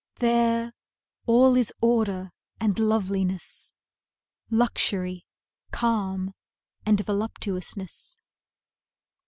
There, all is order and loveliness, Luxury, calm and voluptuousness.